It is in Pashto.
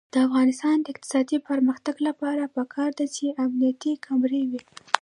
د افغانستان د اقتصادي پرمختګ لپاره پکار ده چې امنیتي کامرې وي.